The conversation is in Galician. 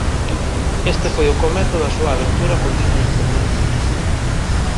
Este foi o comezo da súa aventura con dito instrumento.